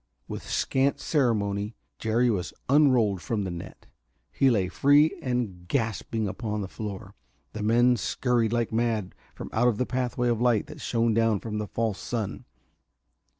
With scant ceremony Jerry was unrolled from the net; he lay free and gasping upon the floor. The men scurried like mad from out the pathway of light that shone down from the false sun.